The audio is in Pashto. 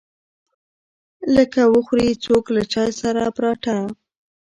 لکه وخوري څوک له چاى سره پراټه.